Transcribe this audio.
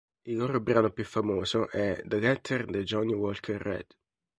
Il loro brano più famoso è "The Letter That Johnny Walker Read".